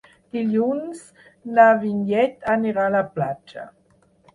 Dilluns na Vinyet anirà a la platja.